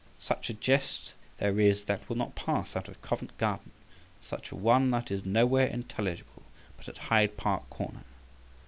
Such a jest there is that will not pass out of Covent Garden, and such a one that is nowhere intelligible but at Hyde Park Corner.